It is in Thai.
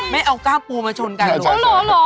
เฮ้ยรู้กันไง